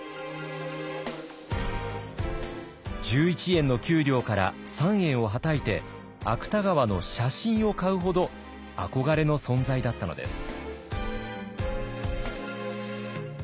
１１円の給料から３円をはたいて芥川の写真を買うほど憧れの存在だったのです。